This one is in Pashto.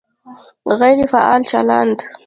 غیر فعال چلند